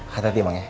hati hati bang ya